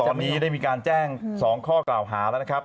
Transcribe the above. ตอนนี้ได้มีการแจ้ง๒ข้อกล่าวหาแล้วนะครับ